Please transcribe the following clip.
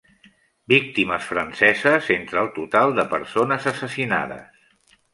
Víctimes franceses entre el total de persones assassinades.